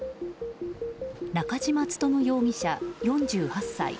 中嶋勉容疑者、４８歳。